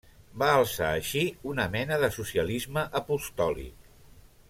Va alçar així una mena de socialisme apostòlic.